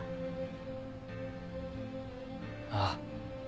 ああ。